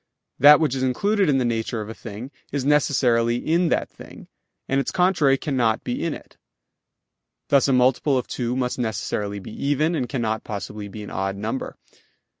That which is included in the nature of a thing is necessarily in that thing, and its contrary cannot be in it; thus a multiple of two must necessarily be even, and cannot possibly be an odd number.